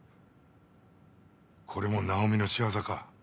これも奈緒美の仕業か？